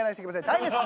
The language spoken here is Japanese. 大変です。